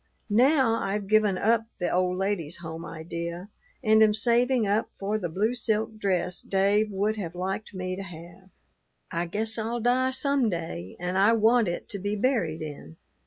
Now I've given up the old ladies' home idea and am saving up for the blue silk dress Dave would have liked me to have. I guess I'll die some day and I want it to be buried in.